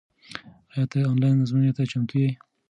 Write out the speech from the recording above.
آیا ته آنلاین ازموینې ته چمتو یې؟